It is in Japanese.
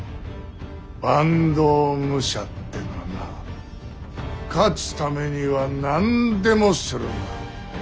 坂東武者ってのはな勝つためには何でもするんだ。